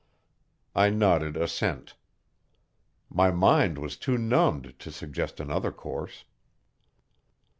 I nodded assent. My mind was too numbed to suggest another course.